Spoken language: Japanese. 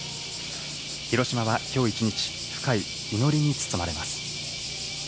広島はきょう一日、深い祈りに包まれます。